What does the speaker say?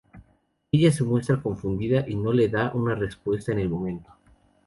Ella se muestra confundida y no le da una respuesta en el momento.